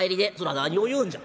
「何を言うんじゃ。